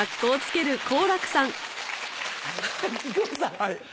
はい。